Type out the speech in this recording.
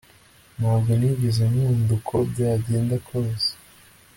ntabwo nigeze nkunda uko byagenda kose